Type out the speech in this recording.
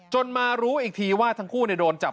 มารู้อีกทีว่าทั้งคู่โดนจับ